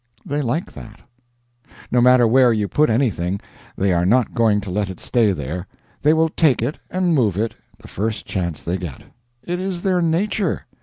They like that. No matter where you put anything, they are not going to let it stay there. They will take it and move it the first chance they get. It is their nature.